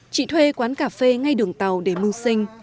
chị thuê quán cà phê ngay đường tàu để mưu sinh